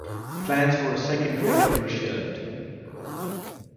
Plans for a second reactor were shelved.